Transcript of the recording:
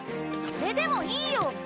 それでもいいよ！